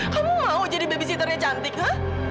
kamu mau jadi babysitternya cantik ya